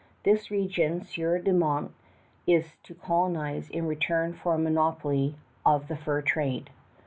This region Sieur de Monts is to colonize in return for a monopoly of the fur trade.